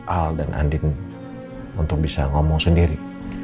al dan andin untuk bisa ngomong sendiri